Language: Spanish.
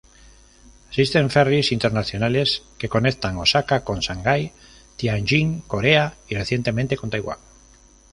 Existen "ferries" internacionales que conectan Osaka con Shanghái, Tianjin, Corea y recientemente con Taiwán.